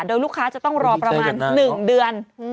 เลือกคะจะต้องรอประมาณนึงเดือน